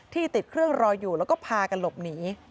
ติดเครื่องรออยู่แล้วก็พากันหลบหนี